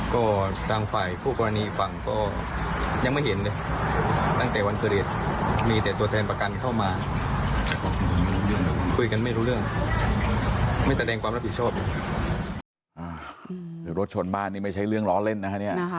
ก็ทางฝ่ายผู้กรณีฝั่งก็ยังไม่เห็นเลยตั้งแต่วันเกรียดมีแต่ตัวแทนประกันเข้ามาคุยกันไม่รู้เรื่องไม่แสดงความรับผิดโชค